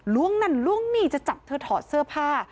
นั่นล้วงนี่จะจับเธอถอดเสื้อผ้า